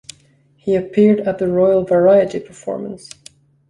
He appeared at the "Royal Variety Performance".